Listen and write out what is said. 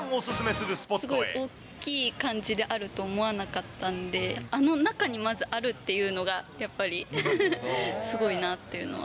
すごい大きい感じであると思わなかったんで、あの中にまずあるっていうのが、やっぱりすごいなっていうのは。